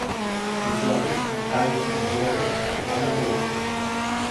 Dijous en Cai i na Cloè van a Polop.